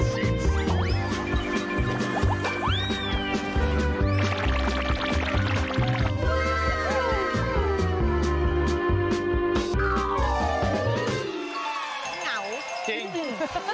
เบี้ยงเบี้ยงเบี้ยงวะ